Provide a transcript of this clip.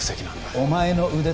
お前の腕と